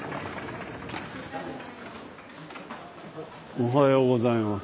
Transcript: おはようございます。